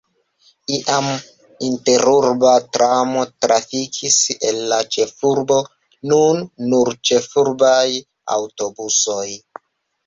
Iam interurba tramo trafikis el la ĉefurbo, nun nur ĉefurbaj aŭtobusoj.